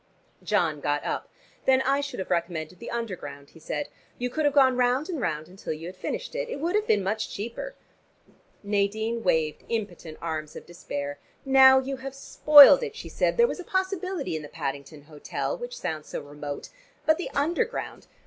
John got up. "Then I should have recommended the Underground," he said. "You could have gone round and round until you had finished. It would have been much cheaper." Nadine waved impotent arms of despair. "Now you have spoiled it," she said. "There was a possibility in the Paddington hotel, which sounds so remote. But the Underground!